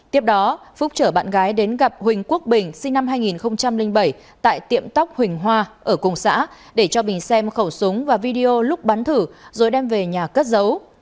tiếp đó phúc chở bạn gái đến gặp huỳnh quốc bình sinh năm hai nghìn bảy tại tiệm tóc huỳnh hoa ở cùng xã để cho bình xem khẩu súng và video lúc bắn thử rồi đem về nhà cất giấu